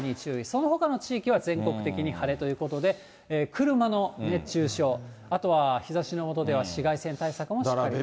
そのほかの地域は、全国的に晴れということで、車の熱中症、あとは日ざしの下では紫外線対策もしっかりと。